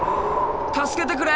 助けてくれ！